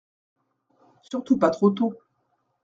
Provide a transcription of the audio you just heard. Surtout pas trop tôt.